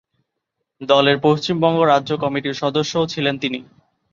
দলের পশ্চিমবঙ্গ রাজ্য কমিটির সদস্যও ছিলেন তিনি।